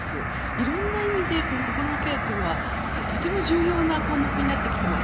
いろんな意味で心のケアはとても重要な項目になってきています。